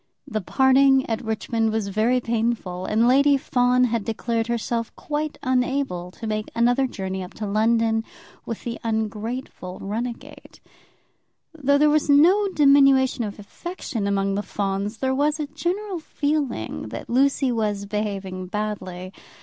The parting at Richmond was very painful, and Lady Fawn had declared herself quite unable to make another journey up to London with the ungrateful runagate. Though there was no diminution of affection among the Fawns, there was a general feeling that Lucy was behaving badly.